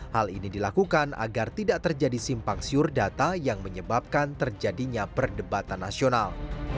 hal ini dilakukan agar tidak terjadi simpang siur data yang menyebabkan terjadinya perdebatan nasional